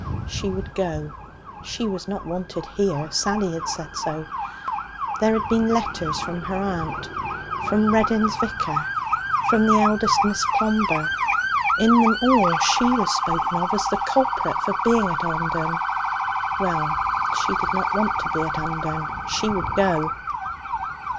She would go. She was not wanted here. Sally had said so. There had been letters from her aunt, from Reddin's vicar, from the eldest Miss Clomber. In them all she was spoken of as the culprit for being at Undern. Well, she did not want to be at Undern. She would go.